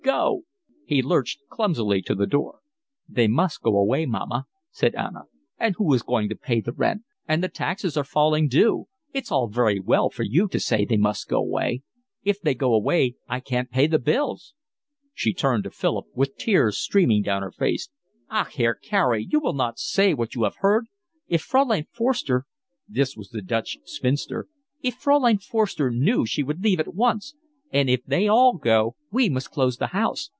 Go." He lurched clumsily to the door. "They must go away, mamma," said Anna. "And who is going to pay the rent? And the taxes are falling due. It's all very well for you to say they must go away. If they go away I can't pay the bills." She turned to Philip, with tears streaming down her face. "Ach, Herr Carey, you will not say what you have heard. If Fraulein Forster—" this was the Dutch spinster—"if Fraulein Forster knew she would leave at once. And if they all go we must close the house.